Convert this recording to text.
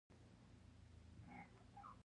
او لا هم ژوندی پاتې کیږي.